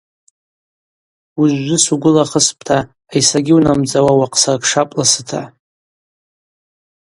Уыжвжвы сугвылахыспӏта айсрагьи унамдзауа уахъсыркшапӏ ласыта.